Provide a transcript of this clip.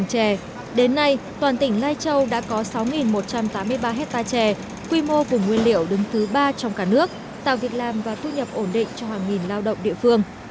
đến nay toàn tỉnh lai châu đã có sáu một trăm tám mươi ba hectare chè quy mô vùng nguyên liệu đứng thứ ba trong cả nước tạo việc làm và thu nhập ổn định cho hàng nghìn lao động địa phương